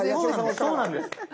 そうなんです。